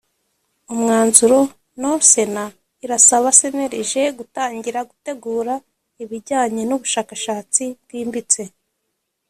umwanzuro no sena irasaba cnlg gutangira gutegura ibijyanye n ubushakashatsi bwimbitse